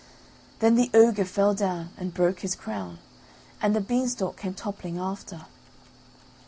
Then the ogre fell down and broke his crown, and the beanstalk came toppling after.